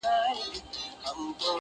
چي حاضره يې شېردل ته بوډۍ مور کړه!.